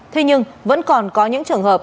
thế nhưng vẫn còn có những trường hợp